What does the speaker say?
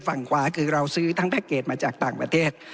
ฝั่งขวาคือเราซื้อทั้งแพ็กเกจมาจากต่างประเทศ